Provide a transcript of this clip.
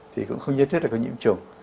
thì cũng không nhất thức là có nhiễm trùng